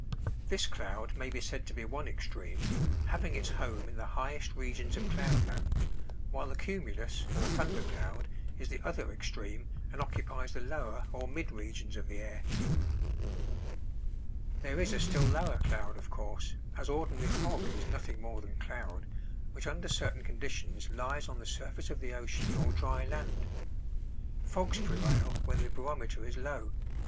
This cloud may be said to be one extreme, having its home in the highest regions of cloud land, while the cumulus, or thunder cloud, is the other extreme and occupies the lower or mid regions of the air. There is a still lower cloud of course, as ordinary fog is nothing more than cloud, which under certain conditions lies on the surface of the ocean or dry land. Fogs prevail when the barometer is low.